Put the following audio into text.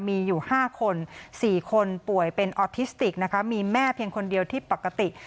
มีอยู่๕คน๔คนป่วยเป็นออทิสติกนะคะมีแม่เพียงคนเดียวที่ปกติ